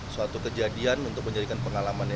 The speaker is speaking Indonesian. suatu kejadian untuk menjadikan pengalamannya